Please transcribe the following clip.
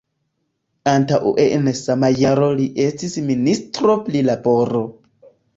Antaŭe en sama jaro li estis ministro pri laboro.